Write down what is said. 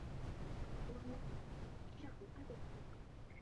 现时业务是在中国内地经营船舶制造之生产及营运和买卖。